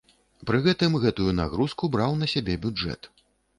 Пры гэтым гэтую нагрузку браў на сябе бюджэт.